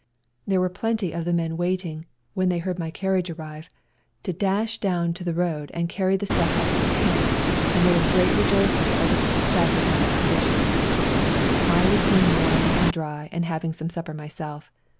There were plenty of the men waiting, when they heard my carriage WE GO TO CORFU 211 arrive, to dash down to the road and carry the stuff up to the camp, and there was great rejoicing over the success of my expedition. I was soon warm and dry and having some supper myself.